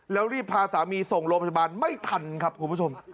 แล้วรีบพาสามีส่งโรงพยาบาลไม่ทันครับคุณผู้ชม